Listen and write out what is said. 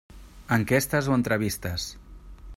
Enquestes o entrevistes.